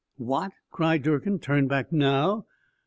"What?" cried Durkin. "Turn back now?